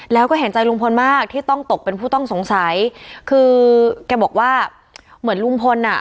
แล้วก็เห็นใจลุงพลมากที่ต้องตกเป็นผู้ต้องสงสัยคือแกบอกว่าเหมือนลุงพลอ่ะ